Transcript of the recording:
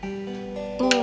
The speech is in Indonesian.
bubur ini panas sekali